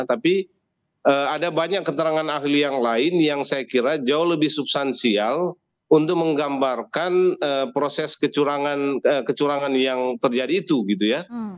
tapi ada banyak keterangan ahli yang lain yang saya kira jauh lebih substansial untuk menggambarkan proses kecurangan yang terjadi itu gitu ya